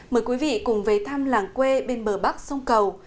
mời quý vị cùng về thăm làng quê bên bờ bắc sông cầu